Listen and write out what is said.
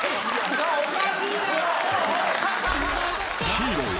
［ヒーロー。